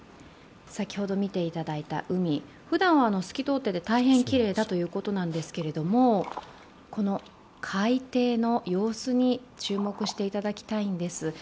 先ほど見ていただいた海、ふだんは透き通っていて大変きれいだということなんですけど、海底の様子に注目していただきたいんです。